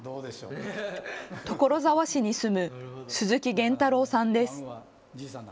所沢市に住む鈴木源太郎さんです。